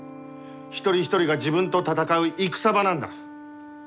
一人一人が自分と戦う戦場なんだ。